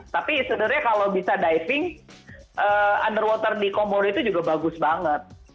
tapi sebenarnya kalau bisa diving underwater di komodo itu juga bagus banget